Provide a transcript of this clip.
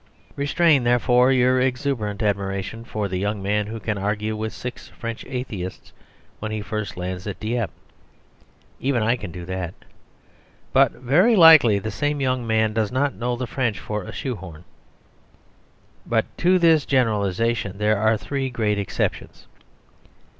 Restrain, therefore, your exuberant admiration for the young man who can argue with six French atheists when he first lands at Dieppe. Even I can do that. But very likely the same young man does not know the French for a shoe horn. But to this generalisation there are three great exceptions.